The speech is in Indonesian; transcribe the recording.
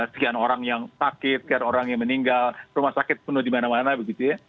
sekian orang yang sakit sekian orang yang meninggal rumah sakit penuh di mana mana begitu ya